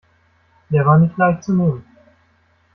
Der war nicht leicht zu nehmen.